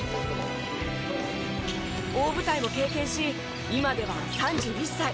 大舞台も経験し今では３１歳。